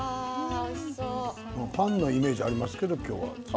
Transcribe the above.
パンのイメージがありますけど。